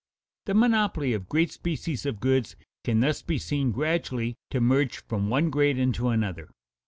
The monopoly of great species of goods can thus be seen gradually to merge from one grade into another.